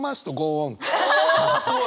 おすごい！